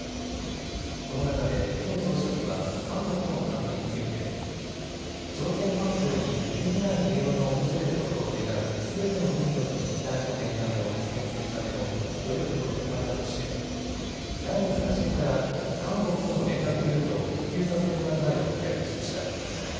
この中でキム総書記は韓国との関係について、朝鮮半島に揺るぎない平和が訪れることを願うすべての民族の期待と念願を実現するための努力の一環だとして来月初めから韓国との連絡ルートを復旧させる考えを明らかにしました。